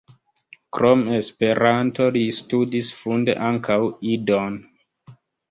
Krom Esperanto li studis funde ankaŭ Idon.